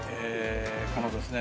このですね